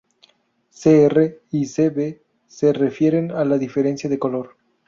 Cr y Cb se refieren a la diferencia de color.